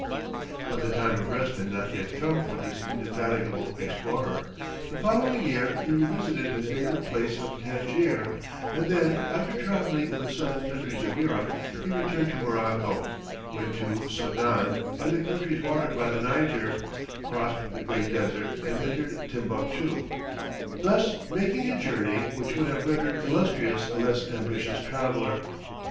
But the time of rest had not yet come for this indefatigable explorer; the following year he revisited his native place Tangier, and then after travelling in the southern countries of Europe he returned to Morocco, went to Soudan and the countries watered by the Niger, crossed the Great Desert and entered Timbuctoo, thus making a journey which would have rendered illustrious a less ambitious traveller.